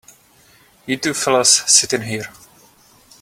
You two fellas sit in here.